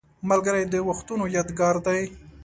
ملګری د وختونو یادګار دی